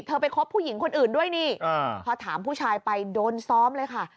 ไปคบผู้หญิงคนอื่นด้วยนี่พอถามผู้ชายไปโดนซ้อมเลยค่ะ